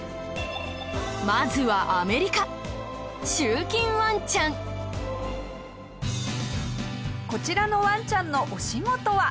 まずは、アメリカ集金ワンちゃん下平：こちらのワンちゃんのお仕事は。